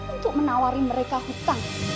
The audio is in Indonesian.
untuk menawari mereka hutang